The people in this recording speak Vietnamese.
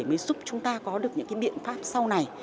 mới giúp chúng ta có được những cái biện pháp sau này